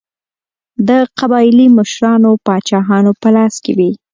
د قبایلي مشرانو او پاچاهانو په لاس کې وې.